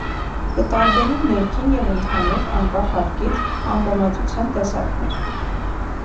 Կը տարբերին ներքին եւ ընդհանուր (անկախ հարկից) ամպամածութեան տեսակներ։